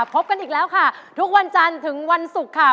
พบกันอีกแล้วค่ะทุกวันจันทร์ถึงวันศุกร์ค่ะ